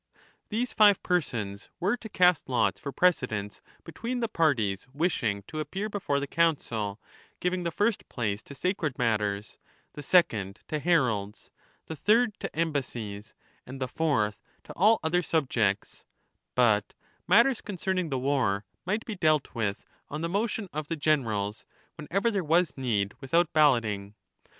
These five persons were to cast lots for precedence between the parties wishing to appear before the Council, giving the first place to sacred matters, the second to heralds, the third to embassies, and the fourth to all other subjects ; but matters concerning the war might be dealt with, on the motion of the generals, whenever there was need, without balloting.